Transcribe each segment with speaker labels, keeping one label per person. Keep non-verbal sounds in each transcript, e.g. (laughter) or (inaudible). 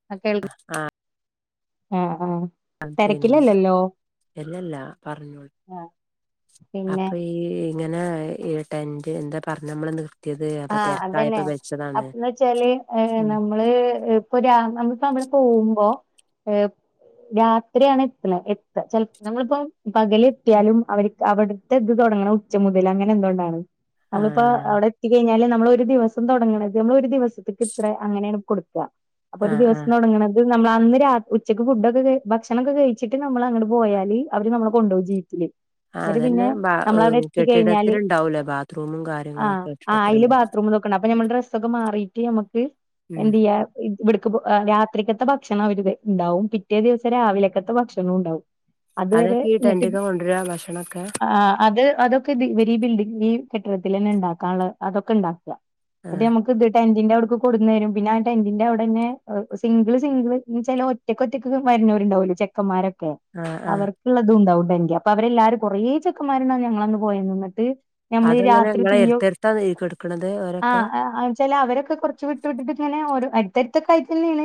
Speaker 1: (unintelligible)
Speaker 2: അഹ്
Speaker 1: ആഹ് ആഹ്
Speaker 2: (unintelligible)
Speaker 1: തെരക്കിലല്ലല്ലോ
Speaker 2: എല്ലല്ലാ പറഞ്ഞോളൂ
Speaker 1: ആഹ് പിന്നെ
Speaker 2: അപ്പൊ ഈ ഇങ്ങനെ ഈ ടെന്റ് എന്താ പറഞ്ഞ നമ്മള നിർ
Speaker 1: ആഹ് അതന്നെ അപ്പന്ന് വെച്ചാല് ഞ്ഞം നമ്മള് ഇപ്പൊ നമ്മ സമളം പോകുമ്പോ (unintelligible) രാത്രിയാണ് എത്തുന്നത് എത്ത ച നമ്മളിപ്പോ പകലെത്തിയാലും അവർ അവട്ത്തെ ഇത് തൊടങ്ങ്ണഹ് ഉച്ച മുതൽ അങ്ങനെ എന്തുകൊണ്ടാണ് നമ്മളിപ്പോ
Speaker 2: ആഹ്
Speaker 1: അവ്ടെ കഴിഞ്ഞാല് നമ്മളൊരു ദിവസം തൊടങ്ങ്ണത് മ്മള് ഒരു ദിവസത്ത്ക്ക് ഇത്ര അങ്ങനെയാണ് കൊട്ക്കാ അപ്പൊ ഒരു
Speaker 2: ആഹ്
Speaker 1: ദിവസം
Speaker 2: ആഹ്
Speaker 1: തൊടങ്ങ്ണ (unintelligible) നമ്മളന്ന് രാ ഉച്ചക്ക് ഫുഡൊക്കെ ഭക്ഷണൊക്കെ കഴിച്ചിട്ട് നമ്മള് അങ്ങണ്ട് പോയാല് അവര് നമ്മളെ കൊണ്ടോവും ജീപ്പില്
Speaker 2: ആഹ്
Speaker 1: എന്നിട്ട്
Speaker 2: അതന്നെ
Speaker 1: പിന്നെ
Speaker 2: ബ
Speaker 1: നമ്മളവിടെ എത്തിക്കഴിഞ്ഞാല്
Speaker 2: കെട്ടിടത്തില്ണ്ടാവൂലേ ബാത്റൂമും
Speaker 1: ആഹ്
Speaker 2: കാര്യങ്ങളൊക്കെ
Speaker 1: ആഹ് അയില്
Speaker 2: കെട്ടിടത്തിലുണ്ടാവും
Speaker 1: ബാത്റൂമ്തൊക്കെണ്ട് അപ്പൊ നമ്മൾ ഡ്രസ്സൊക്കെ മാറീറ്റ് യമ്മക്ക്
Speaker 2: ഉം
Speaker 1: എന്ത്യ്യാ ഇത്‌ ഇവ്ട്ക്ക് പോ ആഹ് രാത്രിക്കത്തെ ഭക്ഷണം അവര് താ ഇണ്ടാവും പിറ്റേ ദിവസം രാവിലക്കത്തെ ഭക്ഷണവും ഉണ്ടാവും അത് വരെ
Speaker 2: അതൊക്കെ ഈ
Speaker 1: ഇങ്ങട്ട്
Speaker 2: ടെന്റൊക്കെ കൊണ്ടുവരാ ഭക്ഷണൊക്കെ
Speaker 1: ആഹ് അത് അതൊ ക്കെ തി ഇവരീ ബിൽഡിങ് ഈ കെട്ടിടത്തിലെന്നെ ഇണ്ടാക്കാൻ ള്ളെ അതൊക്കെ ഇണ്ടാക്കാ അത്
Speaker 2: ആഹ്
Speaker 1: ഞമ്മക് ക്ക്‌ത് ടെന്റിന്റെ അവ്ട്ക്ക് കൊട്ന്നെരും പിന്നെ ആഹ് ടെന്റിന്റെ അവ്ടെന്നെ എഹ് സിംഗ്ള് സിംഗ്ള് ചെലോ ഒറ്റക്കൊറ്റക്ക്‌ വര്നോര്ണ്ടാവുലേ ചെക്കന്മാരൊക്കെ
Speaker 2: ആഹ് ആഹ്
Speaker 1: അവർക്ക്‌ള്ളതുണ്ടാവുണ്ടെങ്കെ അപ്പൊ അവരെല്ലാരും കൊറേ ചെക്കന്മാര്ണ്ടാന്നു ഞങ്ങളന്ന് പോയന്ന് ന്നട്ട് നമ്മള് രാത്രി തീയോ
Speaker 2: ത്ത തീ കെട് ക്ക്‌ണതേ വെരെ
Speaker 1: ആഹ് ആഹ് ആഹ് എന്ന്ച്ചാല് അവരൊക്കെ കൊറച്ച് വിട്ടു വിട്ട് വിട്ട്ട്ട്ച്ച് ങ്ങനെ ഒര് അടട്ത്തടുത്തൊക്ക ആയിതന്നേണ്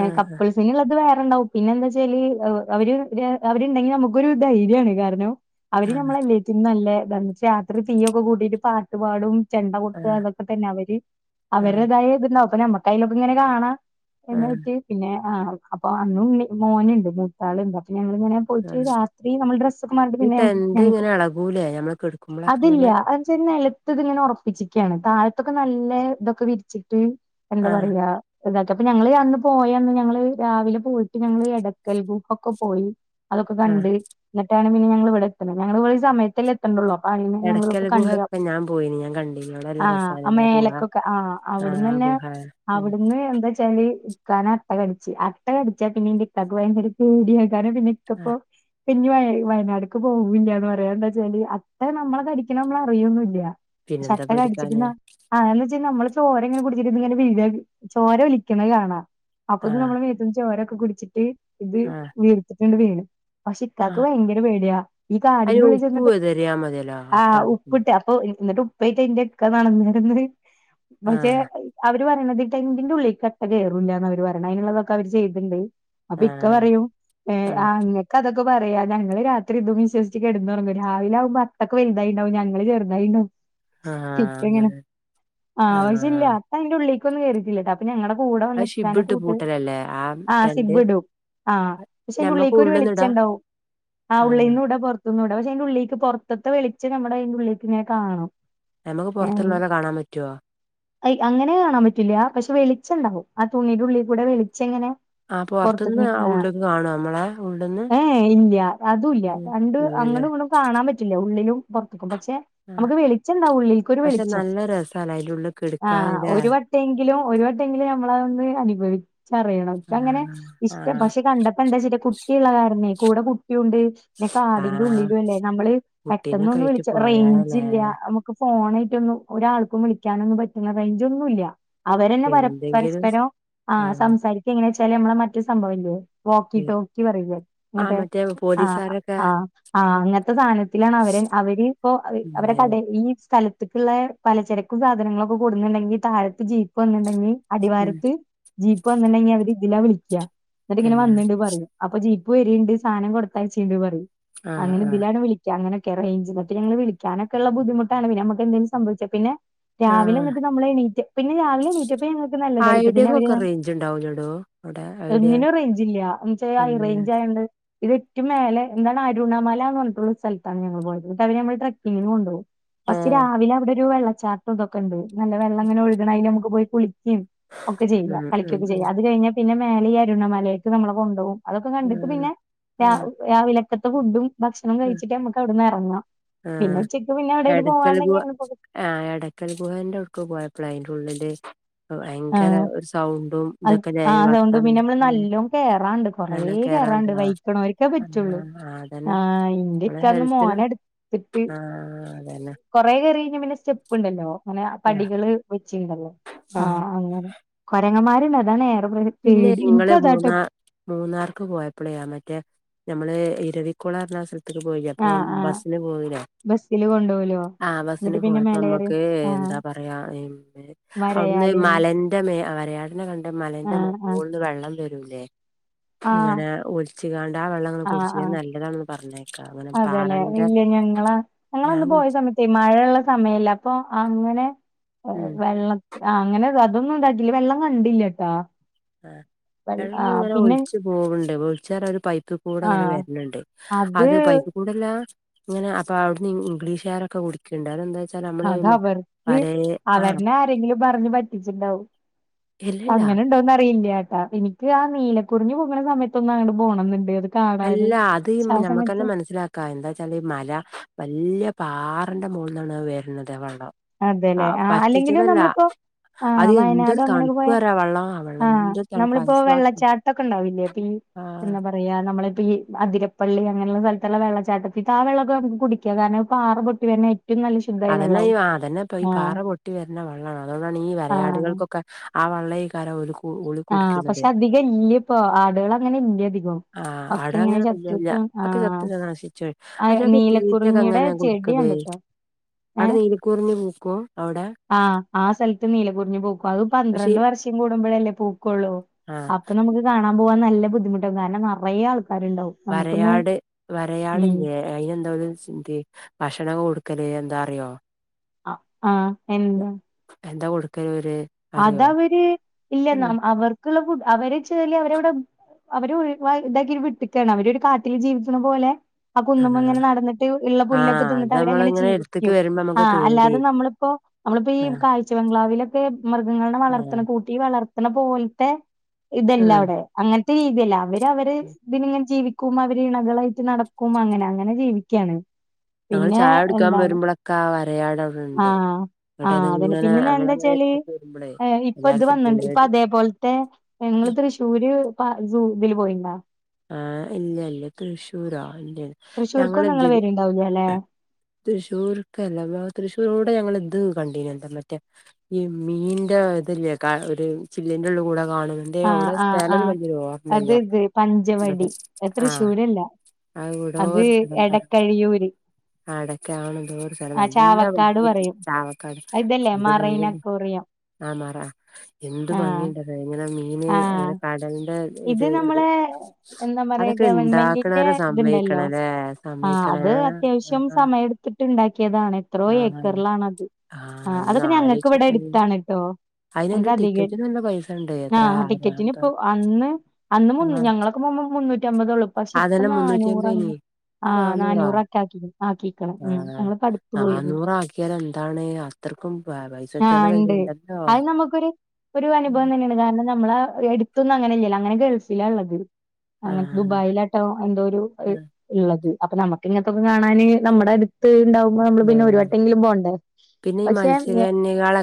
Speaker 1: ഏ
Speaker 2: ആഹ്
Speaker 1: കപ്പ്ൾസ് പിന്നള്ളത് വേറെണ്ടാവും പിന്നെ എന്താച്ചാല് അവ് അവര് വര് അവരുണ്ടെങ്കിൽ നമുക്കൊരു ധൈര്യാണ് കാരണം അവര്
Speaker 2: ആഹ്
Speaker 1: നമ്മളെല്ലേത്തിനും നല്ല ഇതാണ്ച്ചാ രാത്രി തീയൊക്കെ കൂട്ടിട്ട് പാട്ട്പാടും ചെണ്ട കൊട്ടാ
Speaker 2: ആഹ്
Speaker 1: അതൊക്കെ തന്നെ അവര്
Speaker 2: ആഹ്
Speaker 1: അവര്ടെതായ ഇത്ണ്ടാവും ഇപ്പ നമ്മക്കായലൊക്കെ ഇങ്ങനെ കാണാ എന്നാ
Speaker 2: ആഹ്
Speaker 1: പറ്റി പിന്നെ ആഹ് അപ്പൊ അന്നും മി മോന്ണ്ട് മൂത്താള്ണ്ട് അപ്പൊ ഞങ്ങളിങ്ങനെ പോയിറ്റ്
Speaker 2: ആഹ്
Speaker 1: രാത്രി നമ്മള് ഡ്രസ്സൊക്കെ മാറിട്ട്
Speaker 2: ഈ
Speaker 1: പിന്നെ
Speaker 2: ടെന്റ്
Speaker 1: ഞക്ക്
Speaker 2: ഇങ്ങനെ ഇളകൂലേ ഞമ്മള് കെടുക്കുമ്പോളൊക്കെ
Speaker 1: അതില്ല
Speaker 2: ഇങ്ങനെ
Speaker 1: അത്ന്ച്ച്ഴ്‌ഞ്ഞാല് ട്ട്ഇത്ങ്ങനെ ഒറപ്പിച്ച്ക്കാണ് താഴത്തൊക്കെ നല്ല ഇതൊക്കെ വിരിച്ചിട്ട് എന്താ
Speaker 2: ആഹ്
Speaker 1: പറയാ എന്താച്ച അപ്പൊ ഞങ്ങള് അന്ന് പോയന്ന് ഞങ്ങള് രാവിലെ പോയിട്ട് ഞങ്ങള് എടക്കൽ ഗൂഹൊക്കൊ പോയി അതൊക്കെ
Speaker 2: ആഹ്
Speaker 1: കണ്ട് ഇന്നട്ടാണ് പിന്നെ ഞങ്ങള് വ്ടെ എത്ത്ണഹ് ഞങ്ങള് വെയ് സമയത്തല്ലെ എത്ത് ത്തണ്ടൊള്ളു അപ്പൊ അങ്ങ്നെ ഞങ്ങള് തൊക്കെ കണ്ട്
Speaker 2: പോയിനി ഞാൻ കണ്ട്
Speaker 1: ആഹ് ആഹ് മേലക്കൊക്കെ ആഹ്
Speaker 2: ആ
Speaker 1: അവ്ട്ന്നന്നെ
Speaker 2: ഗുഹ ഉം
Speaker 1: അവിടുന്ന് എന്താച്ചാല് ഇക്കാനെ അട്ട കടിച്ച് അട്ട കടിച്ചാ പിന്നെന്റിക്കാക്ക് ഭയങ്കര പേടിയാ കാര്നം പിന്നെ ഇക്കപ്പോ
Speaker 2: ആഹ്
Speaker 1: പ്പഞ് വയനാട്ക്ക് പോവുല്ല്യന്ന് പറയാ എന്താച്ചാല് അട്ട നമ്മളെ കടിക്കണഹ് നമ്മളറിയൊന്നുല്ല്യ ഷെ
Speaker 2: പിന്നെന്താ പേടിക്കാന്
Speaker 1: അട്ടകട്ച്ച്ട്നാ ആന്നെചെയ്ഞ്ഞാ നമ്മളെ ചോര ഇങ്ങനെ കുടിച്ചട്ട് ഇങ്ങനെ വീരക് ചോര ഒലിക്ക്‌ണഹ് കാണാ അപ്പൊ ഇത്
Speaker 2: ആഹ്
Speaker 1: നമ്മളെ മത്ത്ന്ന് ചോരൊക്കെ കുടിച്ചിട്ട് ഇത്
Speaker 2: ആഹ്
Speaker 1: വീർത്തിട്ട്ണ്ട് വീണ് പക്ഷെ ഇക്കാക്ക്
Speaker 2: ആഹ്
Speaker 1: ഭയങ്കര പേടിയാ ഈ
Speaker 2: അയിന് ഉപ്പ്
Speaker 1: കാടിന്റെള്ളിചെന്നിട്ട്
Speaker 2: വെതറിയാ മതിയല്ലോ അട്ട
Speaker 1: ആഹ്
Speaker 2: കടിക്കും
Speaker 1: ഉപ്പിട്ട അപ്പൊ ന്നട്ട് ഉപ്പേയ്റ്റ ഇന്റെ ഇക്ക നടന്നിര്ന്നെഹ് പക്ഷേ
Speaker 2: ആഹ്
Speaker 1: അവര് പറയ്ണതി ടെന്റിന്റെ ഉള്ളിൽക്ക്‌ അട്ട കേറൂലന്നാ അവര് പറയ്ണഹ് അയ്ന്ള്ളതൊക്കെ അവര് ചെയ്ത്ണ്ട് അപ്പൊ ഇക്ക
Speaker 2: ആഹ്
Speaker 1: പറയും ഏ ആഹ് ങ്ങക്ക് ക്കതൊക്കെ പറയാ ഞങ്ങള് രാത്രി ഇതും വിസൊസ്ച്ച് കെട്ന്നൊറങ്ങും രാവിലാവുമ്പോ അട്ടൊക്കെ വെൽതായിണ്ടാവും ഞങ്ങള് ചെർതായിണ്ടാവും
Speaker 2: ആഹ് അങ്ങനെ ആഹ്
Speaker 1: അഅയ്‌ന്റെ ഉള്ളിക്കൊന്നും കേറിട്ടില്ലാട്ടാ അപ്പൊ ഞങ്ങടെ കൂടെ
Speaker 2: അത്
Speaker 1: വന്നക്കാന്റെ
Speaker 2: ഷിബിട്ട്
Speaker 1: കൂട്ട്
Speaker 2: പൂട്ടലല്ലേ ആ
Speaker 1: ആഹ്
Speaker 2: ടെന്റ്
Speaker 1: സിബ്ബ്ടും ആഹ് പക്ഷെ അയ്‌ന്റെ
Speaker 2: ഞമ്മക്ക്
Speaker 1: ഉള്ളിൽക്കൊരു
Speaker 2: ഉള്ള്ന്ന്ടാ
Speaker 1: വെളിച്ചണ്ടാവും ആഹ് ഉള്ളീന്നുട പൊർ ത്ത്ന്നുട പക്ഷെ അയ്ന്റെ ഉള്ളീക്ക് പൊറത്ത്ത്തെ വെളിച്ചം നമ്മുടെ അയ്ന്റെ ഉള്ളിക്ക് ഇങ്ങനെ കാണും
Speaker 2: ഞമ്മക് പൊർത്ത്ള്ളോളെ കാണാൻ പറ്റോ
Speaker 1: അയ് അങ്ങനെ കാണാൻ പറ്റില്ല പക്ഷെ വെളിച്ചണ്ടാവും ആ തുണിയുടെ ഉള്ളിൽ കൂടെ വെളിച്ചങ്ങനെ
Speaker 2: ആഹ്
Speaker 1: പൊർത്ത്ക്ക്
Speaker 2: പൊറത്ത്ന്ന്
Speaker 1: ആഹ്
Speaker 2: ഉള്ള്ക്ക് കാണോ നമ്മളെ ഉള്ള്ന്ന്
Speaker 1: ഏ യെ ഇല്ല്യ അതുംല്ല്യ
Speaker 2: ഉം
Speaker 1: രണ്ട്
Speaker 2: ഇല്ലല്ലേ
Speaker 1: അങ്ങടുഇങ്ങടും കാണാൻ പറ്റില്ല ഉള്ളിലും പൊർത്ത്ത്ക്കും പക്ഷെ
Speaker 2: ആഹ്
Speaker 1: നമുക്ക് വെളി ച്ചണ്ടാവും ഉള്ളിൽക്കൊരു
Speaker 2: പക്ഷെ
Speaker 1: വെളിച്ചം
Speaker 2: നല്ല രസാല്ലേ അയിന്റെ ഉള്ളിൽ കെടക്കാന്
Speaker 1: ആഹ്
Speaker 2: ല്ലേ
Speaker 1: ഒര് വ ട്ടെങ്കിലും ഒരു വട്ടെങ്കിലും നമ്മളഹ് ഒന്ന് അനുഭവി ച്ചറിയണം ഇപ്പ അങ്ങനെ
Speaker 2: ആഹ്
Speaker 1: ഇഷ്ടം
Speaker 2: ആഹ്
Speaker 1: പക്ഷെ കണ്ടപ്പോ എന്താച്ചട്ട കുട്ടിള്ള കാരണെയ് കൂടെ കുട്ടിയുണ്ട് പിന്നെ കാടിന്റെ
Speaker 2: ആഹ്
Speaker 1: ഉള്ളിലും അല്ലേ നമ്മള്
Speaker 2: കുട്ടീനൊക്കെ
Speaker 1: പെട്ടെന്നൊന്ന്
Speaker 2: ആയിട്ട്
Speaker 1: വിളിച്ച റേഞ്ച്
Speaker 2: പോയാലേ
Speaker 1: ഇല്ല അമ നമുക്ക് ഫോണായിട്ടൊന്നും ഒരാൾക്കും വിളിക്കാനൊന്നും പറ്റുന്ന റയിഞ്ച് ഒന്നുമില്ല അവരന്നെ പര
Speaker 2: എന്തെങ്കിലും
Speaker 1: പരസ്പരം ആ സംസാരിരിക്ക എങ്ങനെ വെച്ചാല നമ്മളെ മറ്റു സംഭവമില്ല വോക്കി ടോക്കി പറയില്ലേ
Speaker 2: ആ
Speaker 1: ഇങ്ങട്ട്
Speaker 2: മറ്റേ
Speaker 1: ആഹ്
Speaker 2: പോലീസുകാരൊക്കെ
Speaker 1: ആഹ് ആഹ് അങ്ങനത്തെ സാധനത്തിലാണ് അവര് അവരിപ്പോ
Speaker 2: ഉം
Speaker 1: അവരെ കട ഈ സ്ഥലത്തക്കുള്ള പലചരക്കും സാധനങ്ങളൊക്കെ കൊൂടുന്നുണ്ടെങ്കിൽ തഴത്ത് ജീപ്പ് വന്നിട്ടുണ്ടെങ്കിൽ അടിവാരത്ത് ജീപ്പ് വന്നിട്ടണ്ടെങ്കിൽ അവര് ഇതിലാ വിളിക്കുക എന്നിട്ട് ഇങ്ങനെ
Speaker 2: തന്നെ
Speaker 1: വന്നിട്ടുണ്ട്ന്ന് പറയും അപ്പൊ ജീപ്പ് വരണ്ട് സാധനം കൊടുത്തയച്ചണ്ട് പറയും
Speaker 2: ആ
Speaker 1: അങ്ങനെ
Speaker 2: ആ
Speaker 1: ഇതിലാണ് വിളിക്ക അങ്ങനൊക്കെ റേഞ്ജ് ഇല്ല വിളിക്കാനൊക്കെയുള്ള ബുദ്ധിമുട്ടാണ് പിന്നെങ്ങോട്ട എന്തെലും സംഭവിച്ചാ പിന്നെ രാവിലെ
Speaker 2: ആ
Speaker 1: എന്നിട്ട് നമ്മൾ എണീറ്റ പിന്നെ രാവിലെ എണീറ്റപ്പ ഞങ്ങക്ക് നല്ലതായിട്ട് പിന്നെ അവര്
Speaker 2: ഐഡിയക്കൊക്കെ റേഞ്ച് ഉണ്ടാവൂലടോ അവിടെ ഐഡിയ
Speaker 1: ഒന്നിനും റേഞ്ച് ഇല്ല എന്നച്ചാ ഹൈ
Speaker 2: പിന്നെ
Speaker 1: റേഞ്ച് ആയോണ്ട് ഇത് ഏറ്റവും മേല എന്താണ് അരുണമല എന്ന് പറഞ്ഞട്ടുള്ള സ്ഥലാണ് ഞങ്ങങ്ങള് പോയത് അവര് ഞമ്മൾ ട്രക്കിങ്ങിന് കൊണ്ട് പോകും
Speaker 2: ആ
Speaker 1: പസ് രാവിലെ അവിടെ ഒരു വെള്ളച്ചാട്ടം ഇതൊക്കെ ഉണ്ട് നല്ല വെള്ളം അങ്ങനെ ഒഴുകണ അത് ല് നമുക്ക് പോയി കുളിക്കുകയും ഒക്കെ ചെയ്യുക
Speaker 2: ഉം ഉം
Speaker 1: കളിക്കുകൊക്കെ
Speaker 2: ഉം
Speaker 1: ചെയ്യ അത് കഴിഞ്ഞാൽ പിന്നെ മേലെ അരുണമലയൊക്ക് നമ്മളെ കൊണ്ട് പോകും അതൊക്കെ കണ്ടിട്ട് പിന്നെ
Speaker 2: ആ
Speaker 1: രാവിലക്കത്തെ ഫുഡും ഭക്ഷണം കഴിച്ചിട്ട് നമ്മുക്ക് അവിടെന്ന് ഇറങ്ങാം പിന്നെ ഉച്ചയ്ക്ക് പിന്നെ എവിടെലും
Speaker 2: ഇടക്കൽ ഗുഹ ആ് ഇടക്കൽ ഗുഹേന്റെടുക്ക പോയപ്പള അയിന്റെ ഉള്ളില് ഭയങ്കര
Speaker 1: ആഹ്
Speaker 2: ഒരു സൗണ്ടും
Speaker 1: അത്
Speaker 2: ഇതൊക്കെ ഞ
Speaker 1: ആ സൗണ്ട്
Speaker 2: വർത്താനം
Speaker 1: പിന്നെ നമ്മള് നല്ലോം കേറാണ്ട് കൊറെ
Speaker 2: നല്ല കേറാണ്ട്
Speaker 1: കേയറാണ്ട്
Speaker 2: ആ
Speaker 1: വയ്ക്ക്ണോൽക്കെ
Speaker 2: ആ
Speaker 1: പറ്റുള്ളൂ ആ ഇന്റെക്കന്ന് മോന എടു
Speaker 2: ആഹ് അതെന്നെ
Speaker 1: കൊറേ കയറി കഴിഞ്ഞ പിന്നെ സ്റ്റെപ്പ് ഉണ്ടല്ലോ അങ്ങനെ ആ പടികള് വെച്ചിണ്ടല്ലോ ആഹ് അങ്ങനെ കൊരങ്ങമാരുണ്ട് അതാണ് ഏറെ
Speaker 2: പിന്നെ ഞങ്ങള്
Speaker 1: പേടിഎനിക്കും അതാട്ടെ
Speaker 2: മൂന്നാ മൂന്നാർക്ക് പോയപ്പോളെയാ മറ്റേ നമ്മള് ഇരവികുള പറഞ്ഞ സ്ഥല ത്ത് പോയി അപ്പൊ
Speaker 1: ആഹ് ആഹ്
Speaker 2: ബസ്സിന് പോയില്ലേ
Speaker 1: ബസ്സില് കൊണ്ടോവലോ
Speaker 2: ആ ബസിന്
Speaker 1: എന്നിട്ട് പിന്നെ
Speaker 2: പോയപ്പ
Speaker 1: മേലെ കേറി
Speaker 2: നമ്മുക്ക്
Speaker 1: ആഹ്
Speaker 2: എന്താ പറയാ അവിടുന്ന്
Speaker 1: വരയാടിനെ
Speaker 2: മലന്റെ മോ. വരയാടിനെ കണ്ട മലന്റെ
Speaker 1: ആഹ് ആഹ്
Speaker 2: മുകളോ വെള്ളം വരൂലെ
Speaker 1: ആഹ്
Speaker 2: ഇങ്ങനെ ഒലിച്ച വെള്ള കുടിച്ച നല്ലതാണ് പറഞ്ഞേക്കാം
Speaker 1: അതെല്ലെ ഇല്ല ഞങ്ങള
Speaker 2: ഞാൻ
Speaker 1: ഞങ്ങളൊന്ന് പോയ
Speaker 2: കുടിച്ച്
Speaker 1: സമയത്ത മഴയള്ള സമയല്ല അപ്പൊ അങ്ങനെ
Speaker 2: ഉം
Speaker 1: വെള്ള ആ അങ്ങനെ അതൊന്നും ഉണ്ടായിണ്ടില്ല വെള്ളം കണ്ടില്ലട്ടോ
Speaker 2: ആ വെള്ളം ഇങ്ങനെ ഒലിച്ചച്ച് പോവുന്നുണ്ട് ഒലിച്ചത് ഒരു പൈപ്പ് കൂടെ അങ്ങനെ
Speaker 1: ആഹ്
Speaker 2: വരുന്നുണ്ട്
Speaker 1: അത്
Speaker 2: കൂടുതല ഇങ്ങനെ അപ്പൊ അവിടുന്ന് ഇംഗ്ലീഷുകാരൊക്കെ കുടി കിണ്ട അത് എന്താന് വച്ചാൽ
Speaker 1: അത അവർക്ക് അവരിനെ ആരെങ്കിലും പറഞ്ഞ് പറ്റിച്ചുണ്ടാവോ
Speaker 2: ഇല്ലല്ല
Speaker 1: അങ്ങനെണ്ടോന്ന് അറിയില്ലാട്ടാ എനിക്ക് ആ നീലക്കുറിഞ്ഞി പൂക്കണ സമയത് ഒന്ന് അങ്ങോ്ട്ട് പോണം എന്നുണ്ട് അ
Speaker 2: അല്ല അത് നമ്മക്കന്നെ മനസ്സിലാക്കാം ക്ക എന്താ വച്ചാൽ ഈ മല വലിയ പാറന്റെ മുകളിന്നാണ് വരുന്നത് വള്ളം
Speaker 1: അതെല്ലേ ആ അല്ലെങ്കിലും നമ്മളിപ്പോ ആഹ്
Speaker 2: അത് എന്തൊരു
Speaker 1: വയനാടും അങ്ങനെയൊക്കെ
Speaker 2: തണുപ്പ്
Speaker 1: പോയാ
Speaker 2: അറിയോ ആ വെള്ളം ആ വെള്ളം
Speaker 1: ആഹ്
Speaker 2: എന്തൊരു തണുപ്പ്
Speaker 1: നമ്മളിപ്പോ
Speaker 2: ഐസ് വാട്ടർ
Speaker 1: വെള്ളച്ചാട്ടൊക്കെ ഉണ്ടാവില്ലേ പിന്നെ
Speaker 2: ആഹ്
Speaker 1: (unintelligible) പറയാ നമ്മളിപ്പോ ഈ അതിരപ്പള്ളി അങ്ങനെയുള്ള സ്ഥലതുള്ള വെള്ള ചാട്ടത്തിൽ ആ വെള്ളമൊക്കെക്ക് കുടിക്കാം കാരണം പാറ പെ ച്ച് വരുന്ന ഏറ്റവും. നല്ല ശുദ്ധായ
Speaker 2: അതന്നെ ഈ
Speaker 1: വെള്ളാവും
Speaker 2: ആ അതന്നെപ്പൊ ഈ
Speaker 1: ആ
Speaker 2: പാറ പൊട്ടി വരുന്ന വെള്ളമാണ് അതൊണ്ടാണ് ഈ
Speaker 1: ആ
Speaker 2: വരയാടുകൾക്കൊക്കെ ഒക്കെ ആ വെള്ളം ആയികാരം ഓല് കു
Speaker 1: ആഹ് പക്ഷെ അധികം ഇല്ല ഇപ്പോ ആടുകൾ അങ്ങനെ ഇല്ല അതികം
Speaker 2: ആഹ്
Speaker 1: ഒക്കെ
Speaker 2: ആടെ
Speaker 1: ഇങ്ങനെ
Speaker 2: അങ്ങനെ വല്ല്യല്ല
Speaker 1: ചത്തിട്ട് ആ
Speaker 2: ഒക്കെ ചത്തൊക്കെ നശിച്ചു
Speaker 1: ആ
Speaker 2: അയ്റ്റങ്ങക്ക് തീറ്റൊക്കെ
Speaker 1: നീലക്കുറിഞ്ഞിയുടെ
Speaker 2: എങ്ങനെ
Speaker 1: ചെടി
Speaker 2: കൊടുക്കല്
Speaker 1: കണ്ടിട്ടോ
Speaker 2: അവിടെ
Speaker 1: ഏഹ്
Speaker 2: നീലക്കുറിഞ്ഞി പൂക്കും അവിടെ
Speaker 1: ആ ആ സ്ഥലത്ത് നീല കുറിഞ്ഞി പൂക്കും അത്
Speaker 2: പക്ഷെ
Speaker 1: പന്ത്രണ്ട് വർഷം കൂടുമ്പോഴല്ലേ പൂക്കള്ളൂ,
Speaker 2: ആഹ്
Speaker 1: അപ്പൊ നമു കാണാൻ പോവാൻ നല്ല ബുദ്ധിമുട്ടാവും കാരണം നറേ ആൾക്കാരുണ്ടാവും. നമുക്കൊന്നും
Speaker 2: വരയാട്
Speaker 1: ഉം
Speaker 2: വരയാടില്ലെ. അയിന് എന്താലോ സിംഗി ഭക്ഷണം കൊടുക്കല് എന്താറിയോ.
Speaker 1: അ ആഹ് എന്താ
Speaker 2: എന്താ കൊടുക്കല് ഒര്?
Speaker 1: അത അവര് ഇല്ല ന അവർക്ക്ള്ള ഫുഡ് അവരെ ചല് അവര് വടെ അവര് ഒരു ഇതാക്കി വിട്ട്ക്കാണ് അവര് ഒരു കാട്ടില് ജീവിക്ണ പോലെ ആ കുന്ന്മ്മെ ഇങ്ങനെ നടന്നിട്ട് ഇള്ള പുല്ലൊക്കെ
Speaker 2: ആഹ് അത്
Speaker 1: തിന്ന്ട്ട് അവരങ്ങനെ
Speaker 2: നമ്മളിങ്ങനെ എടുത്ത്ക്ക്
Speaker 1: ജീവിക്കും.
Speaker 2: വരുമ്പോ നമ്മുക്ക്
Speaker 1: ആഹ്
Speaker 2: പേടി
Speaker 1: അല്ലാതെ നമ്മള്പ്പോ നമ്മള്പ്പോ ഈ
Speaker 2: ആഹ്
Speaker 1: കാഴ്ചവംഗ്ലാവിലൊക്കെ മൃഗങ്ങൾനെ
Speaker 2: ആഹ്
Speaker 1: വളർത്ണ കൂട്ടി വളർത്ത്ണ പോൽത്തെ ഇതല്ല
Speaker 2: ആഹ്
Speaker 1: അവടെ അങ്ങൻത്തെ രീതിയല്ല അവ അവര് ഇതിനി ഇങ്ങനെ ജീവിക്കും, അവര് ഇണകളായിട്ട് നടക്കും, അങ്ങനെ അങ്ങനെ ജീവിക്കാണ്.
Speaker 2: ഞങ്ങള്
Speaker 1: പിന്നെ
Speaker 2: ചായടിക്കാൻ
Speaker 1: എന്താണ്
Speaker 2: വരുമ്പോഴൊക്കെ ആ വരയാടവിടെണ്ട്.
Speaker 1: ആഹ്
Speaker 2: ന്ന്ട്ട് അത്ങ്ങനെ അങ്ങനെങ്ങനെ എടുത്ക് വരുമ്പളേയ്
Speaker 1: ഏ ഇപ്പൊ ഇത് വന്ന്ണ്ട് ഇപ്പൊ അതേപോൽത്തെ ഇങ്ങള് തൃശ്ശൂര് പാ സൂ തില് പോയിരുന്നോ?
Speaker 2: ആഹ് ഇല്ല ഇല്ല തൃശ്ശൂരോ ഇല്ലല്ല ഞങ്ങനെ
Speaker 1: തൃശ്ശൂർക്കൊന്നും നിങ്ങള്
Speaker 2: ന്തില്
Speaker 1: വരുണ്ടാവൂല അല്ലെ
Speaker 2: തൃശ്ശൂർക്കല്ല തൃശൂർ കൂടെ ഞങ്ങള് ഇത് കണ്ടീന എന്താ മറ്റേ ഈ മീന്റെ ഇതല്ലേ കാ ഒരു ചില്ലിന്റെ ഉള്ളൂകൂടെ കാണ് തെ
Speaker 1: ആഹ്
Speaker 2: അവടെ
Speaker 1: ആഹ്
Speaker 2: സ്ഥലന്ന്
Speaker 1: ആഹ്
Speaker 2: വല്യര് ഓർമല്ല.
Speaker 1: അത് ഇത് പഞ്ചവടി അത് ത്രിശൂരല്ല അത് എടക്കഴിയൂര്.
Speaker 2: ആടക്ക ആണന്തോറ സ്ഥലം
Speaker 1: ആ
Speaker 2: നല്ലാ
Speaker 1: ചാവക്കാട്
Speaker 2: ഭംഗിണ്ട്
Speaker 1: പറയും
Speaker 2: ചാവക്കാട്
Speaker 1: അത് ഇതല്ലേ
Speaker 2: എന്ത്
Speaker 1: മറൈൻ
Speaker 2: ഭംഗിണ്ട്.
Speaker 1: അക്വേറിയം
Speaker 2: ആഹ് മാറാ എന്ത്
Speaker 1: ആഹ്
Speaker 2: ഭംഗിണ്ട് അത് ങ്ങനെ മീന് അങ്ങനെ കടലിന്റെ ഇത്
Speaker 1: ആ എന്താ പറയാ
Speaker 2: അതൊക്കെ
Speaker 1: ഗവൺമെന്റിന്റെ
Speaker 2: ഇണ്ടാക്കണവരെ
Speaker 1: ഇതുണ്ടല്ലോ
Speaker 2: സമ്മയിക്കണല്ലേ
Speaker 1: ആഹ്
Speaker 2: സമ്മയിക്കണേ
Speaker 1: അത് അത്യാവശ്യം
Speaker 2: ആ
Speaker 1: സമയടു ത്തിട്ടുണ്ടാക്കിയതാണ് എത്രോ
Speaker 2: ആ
Speaker 1: ഏക്കറ്ലാണത് ആ
Speaker 2: ഒന്ന്
Speaker 1: അതൊക്കെ ഞങ്ങക്ക് ഇവടെ
Speaker 2: ആലോചിക്കണേ
Speaker 1: എടുത്താണ് ട്ടോ.
Speaker 2: അയിനെന്തോ
Speaker 1: ക്കഅധികം
Speaker 2: ടിക്കറ്റിന് നല്ല പൈസ ഉണ്ട് എത്ര
Speaker 1: ആഹ് ടിക്കറ്റിന്
Speaker 2: ആയിരന്തോ
Speaker 1: ഇപ്പോ അന്ന് അന്ന്
Speaker 2: ആ
Speaker 1: മുന്നൂ ഞങ്ങളൊക്കെ പോവുമ്പോ മുന്നൂറ്റി അമ്പത് ഒള്ളൂ. പക്ഷെ ഇപ്പം
Speaker 2: അതന്നെ മുന്നൂറ്റി
Speaker 1: നാനൂറാണ്,
Speaker 2: അമ്പതിന് ഇപ്പൊ
Speaker 1: ആഹ് നാനൂറൊക്കേ ആക്കിക്ക് ആക്കി. ഉം
Speaker 2: ആഹ്
Speaker 1: ഞങ്ങളിപ്പോ അടുത്ത് പോയിരുന്നു
Speaker 2: നാനൂർ ആക്കിയാല് എന്താണ് അത്രയ്ക്കും പൈസ ചെലവ് അയ്ന്ണ്ട്.
Speaker 1: അയ് നമുക്കൊരു ഒരു അനുഭവം തന്നെയാണ് കാരണം നമ്മളെ എടു എടുത്തന്നും അങ്ങനെ ഇല്ലല്ലോ അങ്ങനെ ഗൾഫിലാ ള്ളത്
Speaker 2: ആ
Speaker 1: അങ്ങൻ ദുബായിലാട്ടോ എന്തോ ഒരു
Speaker 2: ആ
Speaker 1: ള്ളത്, അപ്പൊ നമ്മക്ക് ഇങ്ങൻതൊക്കെ കാണാന് നമ്മടെ അടു ത്ത് ഉണ്ടാവുമ്പോ നമ്മള് പിന്നെ ഒരു
Speaker 2: ആ
Speaker 1: വട്ടെങ്കിലും പോണ്ടേ പക്ഷെ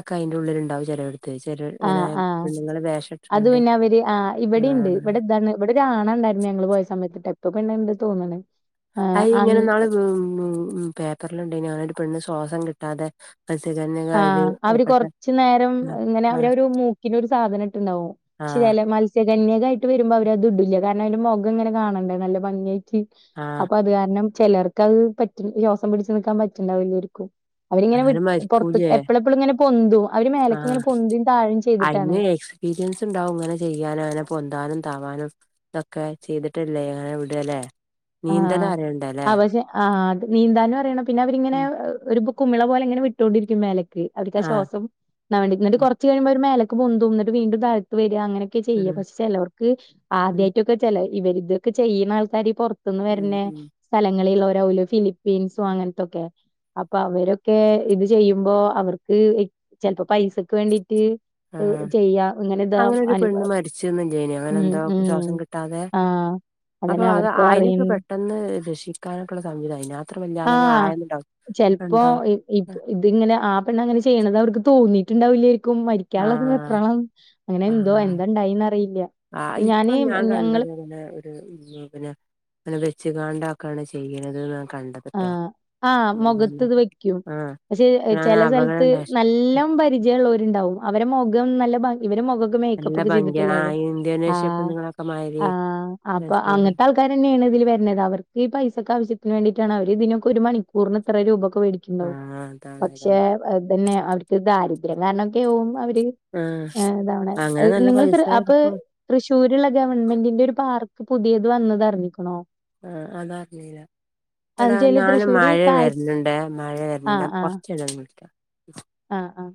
Speaker 2: ക്കെ അയ്ന്റെ ഉള്ളില്ണ്ടാവും ചേലെട്ത്ത് ചേലോ ഇങ്ങനെ
Speaker 1: ആഹ് ആഹ്
Speaker 2: പെണ്ണ്ങ്ങള് വേഷ
Speaker 1: അത് പിന്നെ അവര് ആഹ് ഇവടിണ്ട് ഇവടെ ഇതാണ് ഇവടെ ഒരാ ആണാണ്ടായിര്ന്ന് ഞങ്ങള് പോയ സമയത് ഇപ്പോ പെണ്ണ്ണ്ട് തോന്ന്ണ്.
Speaker 2: അത് ഇങ്ങനെ
Speaker 1: ആഹ്
Speaker 2: ഇന്നാള് ഉ ഊ പേപ്പർല് ണ്ടായിനു ഒരു പെണ്ണ് ശ്വാസം കിട്ടാതെ (unintelligible)
Speaker 1: ആഹ് അവര്
Speaker 2: ഏർപ്പെട്ട
Speaker 1: കൊർച്ചു നേരം
Speaker 2: ആഹ്
Speaker 1: ഇങ്ങനെ അവര്
Speaker 2: ആഹ്
Speaker 1: ഒരു മൂക്കിന് ഒരു സാധനം ഇട്ട്ണ്ടാവും.
Speaker 2: ആഹ്
Speaker 1: ശരിയല്ല മത്സ്യകന്യകായിട്ട് വരുമ്പോ അവര് അത് ഇടില്ല, കാരണം അയ്ന്റെ മുഖംങ്ങനെ കാണണ്ടേ നല്ല ഭംഗിയായിട്ട്.
Speaker 2: ആഹ്
Speaker 1: അപ്പൊ അത് കാരണം ചേലർക്ക് അത് പറ്റ ശ്വാസം പിടിച്ച് ന്ക്കാം പറ്റ്ണ്ടാവുലേര്ക്കും. അവരിങ്ങെനെ വ്
Speaker 2: അതാലും
Speaker 1: പൊർത്ത്
Speaker 2: മരിക്കൂലേ
Speaker 1: എപ്പളെപ്പളും ഇങ്ങനെ പൊന്തും അവര് മേലേക്ക് ഇങ്ങനെ പൊന്തും താഴും ചെയ്തിട്ടാണ്.
Speaker 2: പീരിയൻസ്ണ്ടാവും ഇങ്ങനെ ചെയ്യാനും അങ്ങനെ പൊന്താനും താവാനും. തൊക്കെ ചെയ്തിട്ടല്ലേ ങ്ങനെ വ്ടല്ലേ.
Speaker 1: ആഹ് ആ പക്ഷെ ആഹ് അത് നീന്താനു അറിയണം പിന്നെ അവരിങ്ങനെ ഒരു കുമിള പോലെ ഇങ്ങനെ വിട്ടോണ്ടിരിക്കും മേലേ അവർക്ക് ആഹ് ശ്വാസം (unintelligible) ന്നിട്ട് കൊർച്ച് കഴിയുമ്പോ അവര് മേലക്ക് പൊന്തും ന്നിട്ട് വീണ്ടും താഴ്ത്ത് വരാ അങ്ങനെ ചെയ്യാ
Speaker 2: ഉം
Speaker 1: പക്ഷെ ചേലോർക്ക്
Speaker 2: ഉം
Speaker 1: ആദ്യായിട്ടൊക്കെ ചലോ ഇവരി ഇതൊക്കെ ചെയ്യ്ന ആൾക്കാര് പൊറ ത് ന്ന്
Speaker 2: ഉം
Speaker 1: വര്ണെ
Speaker 2: ഉം
Speaker 1: സ്ഥലങ്ങളിൽ ല്ലോരാവൂ ലേ ഫിലിപ്പീൻസും അങ്ങൻത്തൊക്കെ. അപ്പൊ അവരൊക്കെ ഇത് ചെയ്യുമ്പോ അവർക്ക് ചേൽപ്പോ പൈസക്ക് വേണ്ടീട്ട്
Speaker 2: ആഹ്
Speaker 1: ചെയ്യാ ഇങ്ങനെതാ
Speaker 2: അങ്ങനെ ഒരു പെണ്ണ്
Speaker 1: അനുഭവം
Speaker 2: മരിച്ചന്നില്ലേനോ
Speaker 1: ഉ
Speaker 2: അങ്ങനെ എന്തോ
Speaker 1: ഉ
Speaker 2: ശ്വാസം കിട്ടാതെ
Speaker 1: ആഹ അതനെ അവർക്ക് അറിയ
Speaker 2: ഇ പെട്ടെന്ന് രക്ഷിക്കാനായിട്ടുള്ള സംവിതംഞ്ഞാൽ
Speaker 1: ആഹ് ചിലപ്പോ ഇത് ഇങ്ങനെ ആ പെണ്ണ അങ്ങനെ ചെയ്യണത് അവർക്ക് തോന്നിട്ടുണ്ടാവില്ലരിക്കും മരിക്കാനുള്ള
Speaker 2: ആഹ്
Speaker 1: എപണം അങ്ങനെ എന്തോ
Speaker 2: ആഹ്
Speaker 1: എന്താണ്ടായിന്ന് അറിയില്ല
Speaker 2: ആഹ് ഇപ്പൊ ഞാൻ കണ്ടത് അങ്ങനെ പിന്നെ അങ്ങനെ വെച്ചുകാണ്ടാക്കാണ് ചെയ്യണത് കണ്ടത്
Speaker 1: ആഹ് ആഹ് മുഖത്ത് ഇത് വെക്കും
Speaker 2: ആഹ്
Speaker 1: പക്ഷെ
Speaker 2: ഞാൻ
Speaker 1: ചില
Speaker 2: അപകടം
Speaker 1: സ്ഥലത്ത്
Speaker 2: ഉണ്ടായി
Speaker 1: നല്ല പരിചയമ ഉള്ള ഉണ്ടാവും അവരെ മുഖം നല്ല ഇവ മുഖ
Speaker 2: നല്ല
Speaker 1: ഒെ ചെയ്തിട്ട
Speaker 2: ഭംഗിയ ആ
Speaker 1: അൊ
Speaker 2: ഇന്തോനേഷ്യ പെണ്ണുങ്ങളൊക്കെ മാതിരി രസള്ളത്
Speaker 1: അങ്ങട്ട ഇക്ക തെയാണ് ഇതിൽ വരുന്നത് അവർക്ക് ഈ പൈസൊക്ക ആവശ്യത്തിന് വേണ്ടിട്ട അവ ഇതിനൊെ ഒരു മണിക്കൂറിന് ഇത്ര രൂപൊക്കെേിക്കും
Speaker 2: ആഹ് അതാണ്
Speaker 1: പക്ഷേ
Speaker 2: അതാണ്.
Speaker 1: തന്നെ അവർക്ക് ദാരിര്യം കാരണം ഒക്കെ ആക്പ
Speaker 2: ആഹ്
Speaker 1: അവ
Speaker 2: അങ്ങനെ
Speaker 1: ഇത
Speaker 2: നല്ല
Speaker 1: നിങ്ങ
Speaker 2: പൈസ
Speaker 1: അപ്പൊ
Speaker 2: ആയിരിക്കും
Speaker 1: തൃശ്ശൂരുള്ള ഗവൺമെന്റിന്റെ ഒരു പാർക്ക് പുതിയത് വന്നത് അറിഞ്ഞിക്കണോ
Speaker 2: ആഹ് ആധാറിലീ
Speaker 1: അത്
Speaker 2: എടാ
Speaker 1: വെച്ചാല്
Speaker 2: ഞാന്
Speaker 1: തൃശ്ശൂര്
Speaker 2: മഴ
Speaker 1: കാ
Speaker 2: വരരുന്നുണ്ട് മഴ വരരുന്നുണ്ട്
Speaker 1: ആഹ് ആഹ്.
Speaker 2: കുറച്ചിടം വിളിക്കാം
Speaker 1: ആഹ് ആഹ്